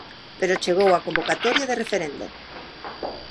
Pero chegou a convocatoria de referendo.